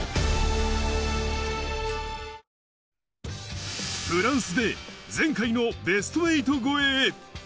続くフランスで前回のベスト８超えへ。